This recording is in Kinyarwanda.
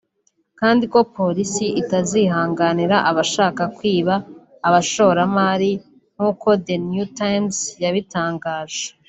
kandi ko Polisi itazihanganira abashaka kwiba abashoramari nk’uko The New Times yabitangaje